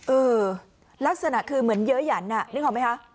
เออลักษณะคือเหมือนเยอะหยันนึกออกไหมคะ